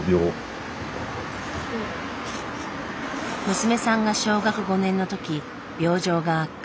娘さんが小学５年のとき病状が悪化。